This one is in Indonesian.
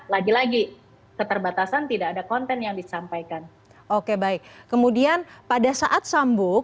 lagi lagi keterbatasan tidak ada konten yang disampaikan oke baik kemudian pada saat sambung